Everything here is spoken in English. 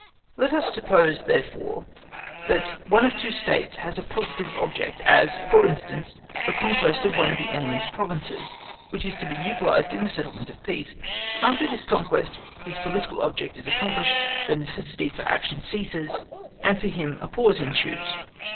Let us suppose, therefore, that one of two States has a positive object, as, for instance, the conquest of one of the enemy's provinces—which is to be utilised in the settlement of peace. After this conquest, his political object is accomplished, the necessity for action ceases, and for him a pause ensues.